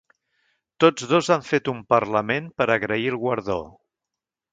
Tots dos han fet un parlament per agrair el guardó.